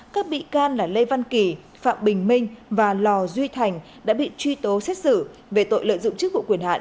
các bị can là lê văn kỳ phạm bình minh và lò duy thành đã bị truy tố xét xử về tội lợi dụng chức vụ quyền hạn